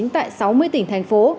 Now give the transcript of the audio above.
tại sáu mươi tỉnh thành phố